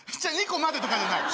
２個までとかじゃない